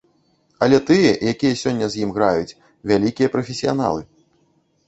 Але тыя, якія сёння з ім граюць, вялікія прафесіяналы.